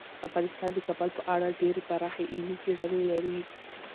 افغانستان د کابل په اړه ډیرې پراخې علمي څېړنې لري.